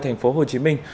thành phố hồ chí minh